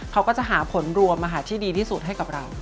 เขาก็จะหาผลรวมที่ดีที่สุดให้กับเรา